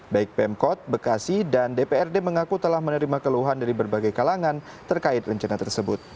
baik pemkot bekasi dan dprd mengaku telah menerima keluhan dari berbagai kalangan terkait rencana tersebut